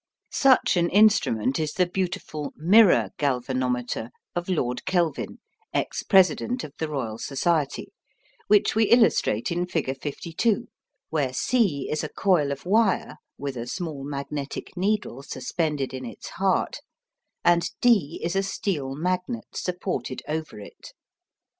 Such an instrument is the beautiful "mirror" galvanometer of Lord Kelvin, Ex President of the Royal Society, which we illustrate in figure 52, where C is a coil of wire with a small magnetic needle suspended in its heart, and D is a steel magnet supported over it.